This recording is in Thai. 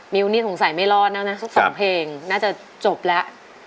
มิวนี่สงสัยไม่รอดนะน่ะสองเพลงน่าจะจบแล้ว